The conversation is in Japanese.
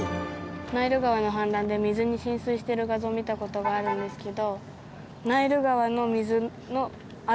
ナイル川の氾濫で水に浸水してる画像を見た事があるんですけど。